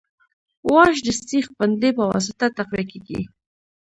واش د سیخ بندۍ په واسطه تقویه کیږي